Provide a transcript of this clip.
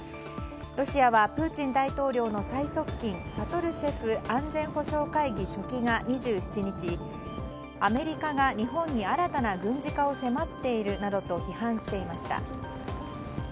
ロシアはプーチン大統領の最側近パトルシェフ安全保障会議書記が２７日アメリカが日本に新たな軍事化を迫っているなどと批判していました。